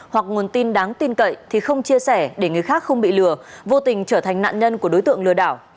hoặc nguồn tin đáng tin cậy thì không chia sẻ để người khác không bị lừa vô tình trở thành nạn nhân của đối tượng lừa đảo